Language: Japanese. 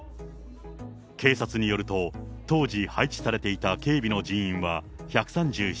警察によると、当時配置されていた警備の人員は１３７人。